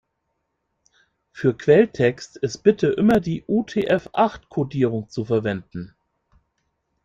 Für Quelltext ist bitte immer die UTF-acht-Kodierung zu verwenden.